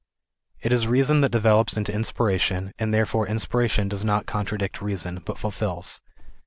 It is reason that develops into inspiration, and therefore inspiration does not contradict reason, but fulfils.